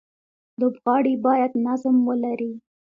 لوبغاړي باید نظم ولري.